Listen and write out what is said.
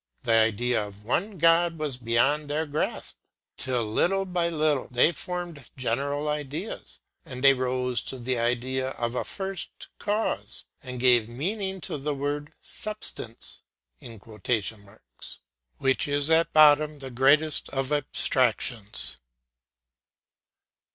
The idea of one God was beyond their grasp, till little by little they formed general ideas, and they rose to the idea of a first cause and gave meaning to the word "substance," which is at bottom the greatest of abstractions.